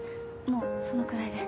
もうそのくらいで。